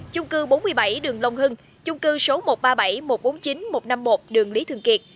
chung cư bốn mươi bảy đường long hưng chung cư số một trăm ba mươi bảy một trăm bốn mươi chín một trăm năm mươi một đường lý thường kiệt